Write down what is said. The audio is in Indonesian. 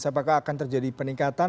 apakah akan terjadi peningkatan